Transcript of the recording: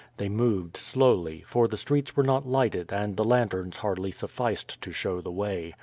They moved slowly, for the streets were not lighted and the lanterns hardly sufficed to show the way.